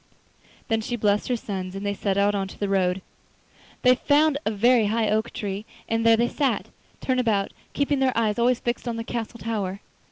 Then she blessed her sons and they set out into the wood. They found a very high oak tree, and there they sat, turn about, keeping their eyes always fixed on the castle tower.